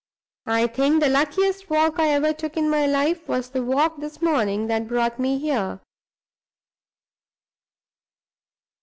"I think the luckiest walk I ever took in my life was the walk this morning that brought me here."